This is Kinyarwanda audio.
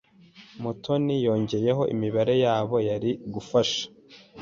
Mutoni yongeyeho imibare yabo yari gufasha.